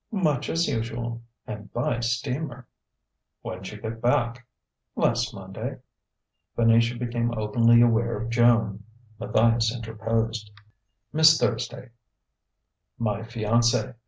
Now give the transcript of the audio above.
"Much as usual and by steamer." "When'd you get back?" "Last Monday...." Venetia became openly aware of Joan. Matthias interposed. "Miss Thursday my fiancée.